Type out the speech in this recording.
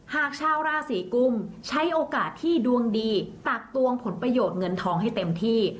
หากชาวราศีกุมใช้โอกาสที่ดวงดีตักตวงผลประโยชน์เงินทองให้เต็มที่